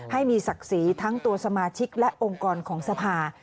ให้มีศักดิ์ศรีทั้งตัวสมาชิกและองค์กรของสภา